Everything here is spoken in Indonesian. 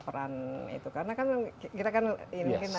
peran itu karena kan kita kan